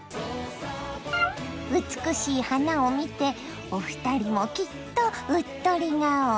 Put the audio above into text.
美しい花を見てお二人もきっとうっとり顔！